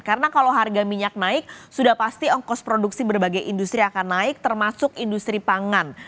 karena kalau harga minyak naik sudah pasti ongkos produksi berbagai industri akan naik termasuk industri pangan